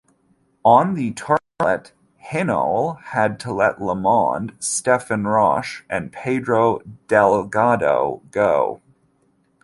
On the Tourmalet, Hinault had to let LeMond, Stephen Roche and Pedro Delgado go.